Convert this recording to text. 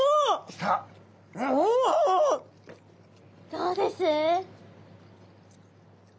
どうです？